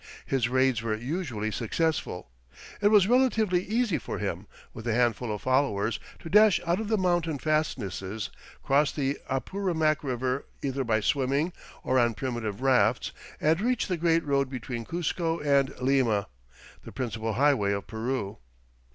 His raids were usually successful. It was relatively easy for him, with a handful of followers, to dash out of the mountain fastnesses, cross the Apurimac River either by swimming or on primitive rafts, and reach the great road between Cuzco and Lima, the principal highway of Peru.